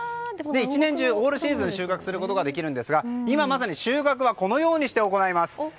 １年中、オールシーズン収穫することができますが今、まさに収穫はこのように行われます。